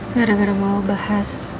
gara gara mau bahas